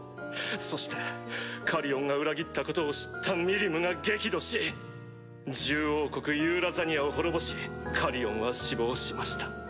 そしてカリオンが裏切ったことを知ったミリムが激怒し獣王国ユーラザニアを滅ぼしカリオンは死亡しました。